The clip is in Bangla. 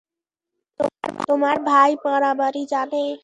তোমার ভাই মারামারি জানে?